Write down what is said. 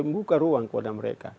buka ruang kepada mereka